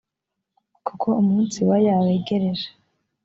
kuko umunsi wa yah wegereje